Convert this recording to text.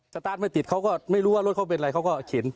ตาร์ทไม่ติดเขาก็ไม่รู้ว่ารถเขาเป็นอะไรเขาก็เข็น